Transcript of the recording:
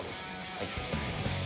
はい。